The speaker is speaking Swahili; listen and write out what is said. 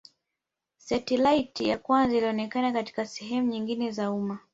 Setilaiti ya kwanza ilionekana katika sehemu nyingine za umma